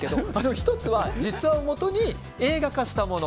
１つは実話をもとに映画化したもの。